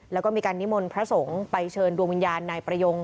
แล้วก็มีการนิมนต์พระสงฆ์ไปเชิญดวงวิญญาณนายประยง